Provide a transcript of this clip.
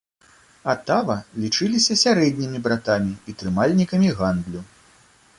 Атава лічыліся сярэднімі братамі і трымальнікамі гандлю.